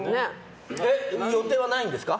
予定はないんですか？